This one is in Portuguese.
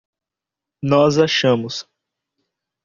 Nós achamos